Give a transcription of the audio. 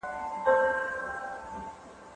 د کتاب لوستل ذهن ته سکون ورکوي.